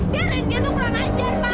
biarin dia toh kurang ajar ma